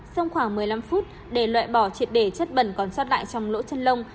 xông khoảng một mươi năm phút để loại bỏ triệt đề chất bẩn còn xót lại trong lỗ chân lông